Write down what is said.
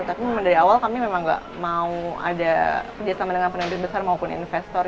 tapi memang dari awal kami memang nggak mau ada kerja sama dengan penerbit besar maupun investor